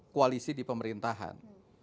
koalisi di pemerintahan